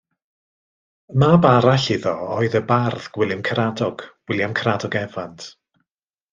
Mab arall iddo oedd y bardd Gwilym Caradog, William Caradog Evans.